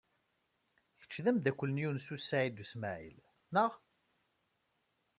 Kecc d ameddakel n Yunes u Saɛid u Smaɛil, naɣ?